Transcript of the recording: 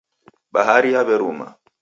Bahari yaw'eruma.